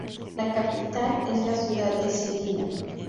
La capital es la ciudad de Žilina.